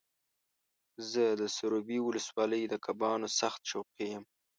زه د سروبي ولسوالۍ د کبانو سخت شوقي یم.